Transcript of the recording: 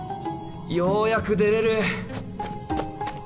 ようやく出れる！